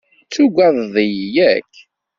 Tugadeḍ-iyi, yak?